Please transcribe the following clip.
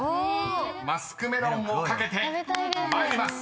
［マスクメロンを懸けて参ります。